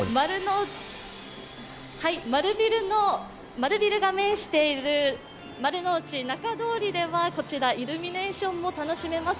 丸ビルが面している丸の内仲通りではイルミネーションも楽しめます。